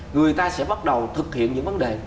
người ta sẽ bắt đầu thực hiện những vấn đề